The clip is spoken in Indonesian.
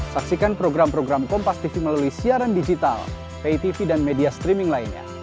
saksikan program program kompas tv melalui siaran digital pay tv dan media streaming lainnya